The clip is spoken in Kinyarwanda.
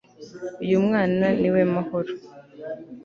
uyu mwana ni we mahoro